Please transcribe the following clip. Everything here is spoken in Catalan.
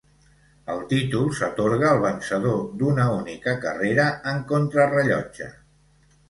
El títol s'atorga al vencedor d'una única carrera en contrarellotge.